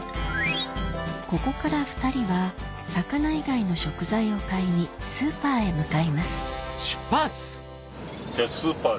ここから２人は魚以外の食材を買いにスーパーへ向かいますじゃあスーパー。